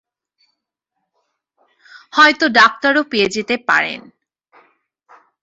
হয়ত ডাক্তারও পেয়ে যেতে পারেন।